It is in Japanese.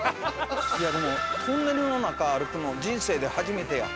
いやでもトンネルの中歩くの人生で初めてや。